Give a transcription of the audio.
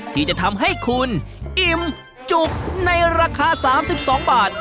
ที่จะทำให้คุณอิ่มจุกในราคา๓๒บาท